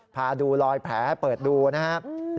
พาดูลอยแผลเปิดดูนะครับ